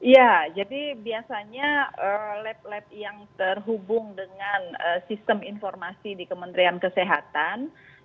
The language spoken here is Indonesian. ya jadi biasanya lab lab yang terhubung dengan sistem informasi di kementerian kesehatan